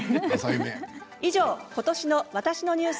以上、今年の「わたしのニュース」